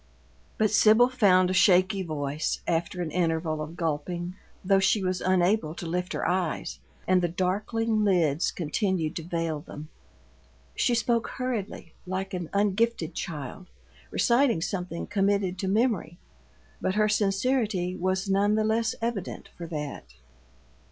But Sibyl found a shaky voice, after an interval of gulping, though she was unable to lift her eyes, and the darkling lids continued to veil them. She spoke hurriedly, like an ungifted child reciting something committed to memory, but her sincerity was none the less evident for that.